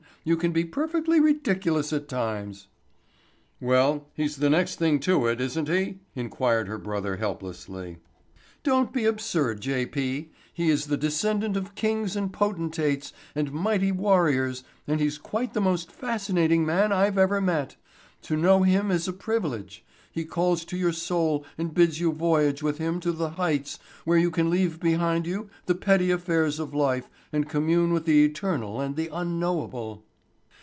You can be perfectly ridiculous at times." "Well, he's the next thing to it, isn't he?" inquired her brother helplessly. "Don't be absurd, J. P. He is the descendant of kings and potentates and mighty warriors and he's quite the most fascinating man I've ever met. To know him is a privilege. He calls to your soul and bids you voyage with him to the heights where you can leave behind you the petty affairs of life and commune with the eternal and the unknowable."